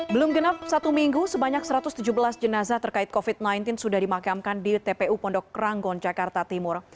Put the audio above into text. belum genap satu minggu sebanyak satu ratus tujuh belas jenazah terkait covid sembilan belas sudah dimakamkan di tpu pondok ranggon jakarta timur